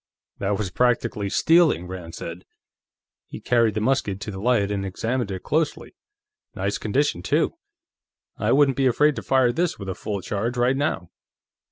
"That was practically stealing," Rand said. He carried the musket to the light and examined it closely. "Nice condition, too; I wouldn't be afraid to fire this with a full charge, right now."